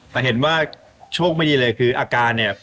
แต่เห็นว่าโชคไม่ดีเลยคืออาการเนี่ย